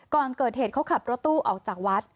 ก่อนเกิดเหตุเขาขับรถตู้ออกจากวัด